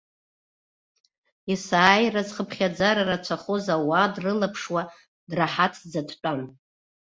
Есааира зхыԥхьаӡара рацәахоз ауаа дрылаԥшуа, драҳаҭӡа дтәан.